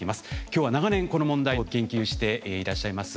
今日は長年この問題を研究していらっしゃいます